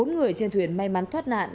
bốn người trên thuyền may mắn thoát nạn